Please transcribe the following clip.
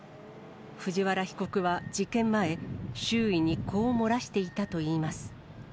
藤原被告は事件前、周囲にこう漏らしていたといいます。